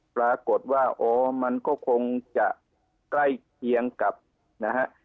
ปรากฏว่าอ๋อมันก็คงจะใกล้เคียงกับนะฮะ